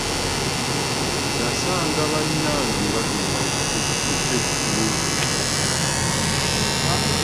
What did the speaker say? Nnasanga bannange bagenda ku kyaggulo.